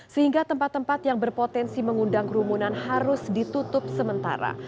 sehingga tempat tempat yang berpotensi mengundang kerumunan harus ditutup sementara